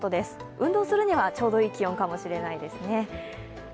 運動するにはちょうどいい気温かもしれないですね。